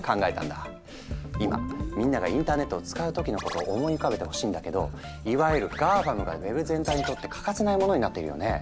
今みんながインターネットを使う時のことを思い浮かべてほしいんだけどいわゆる「ＧＡＦＡＭ」がウェブ全体にとって欠かせないものになっているよね。